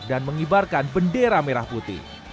dan mengibarkan bendera merah putih